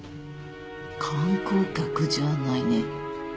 観光客じゃないね。